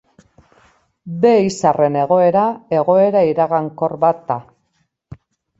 Be izarren egoera egoera iragankor bat da.